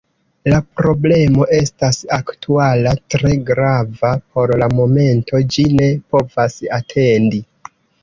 La problemo estas aktuala, tre grava por la momento, ĝi ne povas atendi.